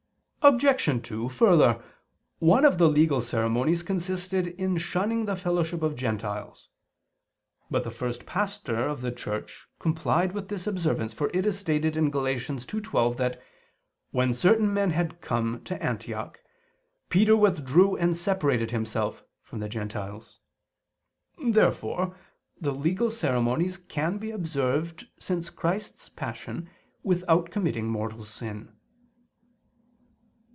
Obj. 2: Further, one of the legal ceremonies consisted in shunning the fellowship of Gentiles. But the first Pastor of the Church complied with this observance; for it is stated (Gal. 2:12) that, "when" certain men "had come" to Antioch, Peter "withdrew and separated himself" from the Gentiles. Therefore the legal ceremonies can be observed since Christ's Passion without committing mortal sin.